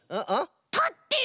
たってる！